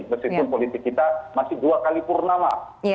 meskipun politik kita masih dua kali purnama